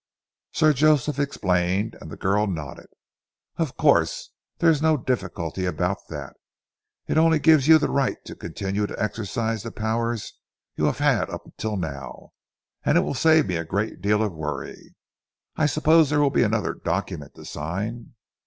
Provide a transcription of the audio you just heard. Sir Joseph explained, and the girl nodded. "Of course. There is no difficulty about that. It only gives you the right to continue to exercise the powers you have had up to now, and it will save me a great deal of worry. I suppose there will be another document to sign?"